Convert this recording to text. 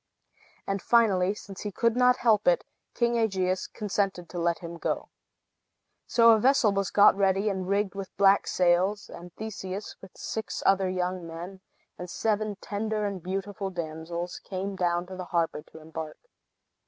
And finally, since he could not help it, King Aegeus consented to let him go. So a vessel was got ready, and rigged with black sails; and Theseus, with six other young men, and seven tender and beautiful damsels, came down to the harbor to embark.